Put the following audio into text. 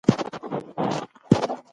هغه په خپل لاس کې لسی ته په ډېر خپګان وکتل.